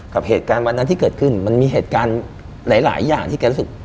กับเหตุการณ์วันนั้นที่เกิดขึ้นมันมีเหตุการณ์หลายอย่างที่แกรู้สึก